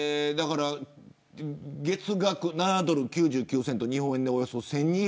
月額７ドル９９セント日本円でおよそ１２００円。